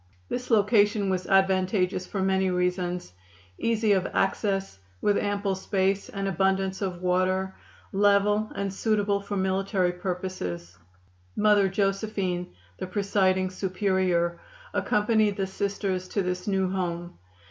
This location was advantageous for many reasons easy of access, with ample space and abundance of water, level and suitable for military purposes. Mother Josephine, the presiding Superior, accompanied the Sisters to this new home.